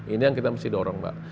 ini yang kita mesti dorong mbak